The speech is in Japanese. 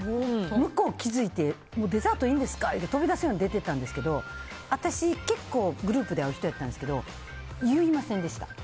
向こう、気づいてデザートはいいんですかって飛び出すように出ていったんですけど私結構グループで会う人やったんですけど言いませんでした。